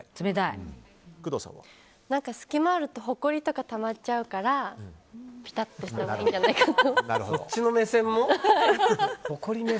隙間があるとほこりとかたまっちゃうからピタッとしたほうがいいのかなと。